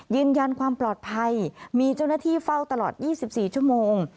ยืนยันความปลอดภัยมีเจ้าหน้าที่เฝ้าตลอด๒๔ชั่วโมง